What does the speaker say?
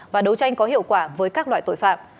và đấu tranh có hiệu quả với các loại tội phạm